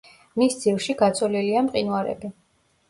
მის ძირში გაწოლილია მყინვარები.